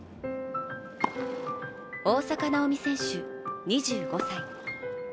大坂なおみ選手２５歳。